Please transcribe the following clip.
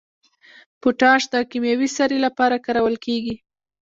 پوټاش د کیمیاوي سرې لپاره کارول کیږي.